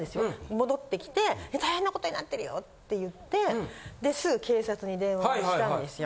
戻ってきて大変なことになってるよ！って言ってすぐ警察に電話したんですよ。